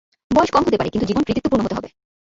বয়স কম হতে পারে, কিন্তু জীবন কৃতিত্বপূর্ণ হতে হবে।